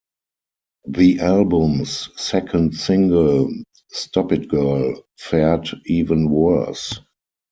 The album's second single, "Stop It Girl", fared even worse.